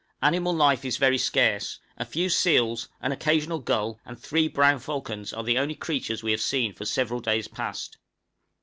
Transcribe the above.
Animal life is very scarce; a few seals, an occasional gull, and three brown falcons, are the only creatures we have seen for several days past.